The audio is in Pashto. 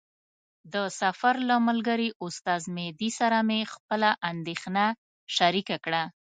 د سفر له ملګري استاد مهدي سره مې خپله اندېښنه شریکه کړه.